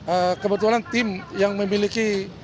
eh kebetulan tim yang memiliki